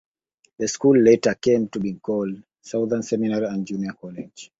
The school later came to be called Southern Seminary and Junior College.